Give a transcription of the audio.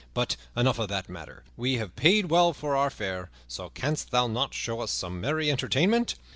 But enough of that matter. We have paid well for our fare, so canst thou not show us some merry entertainment?